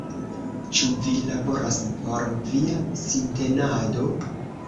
Ĉu vi laboras por via sintenado?